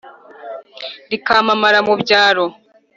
rikamamara mu byaro.